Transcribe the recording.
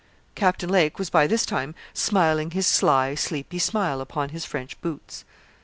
Captain Lake was by this time smiling his sly, sleepy smile upon his French boots.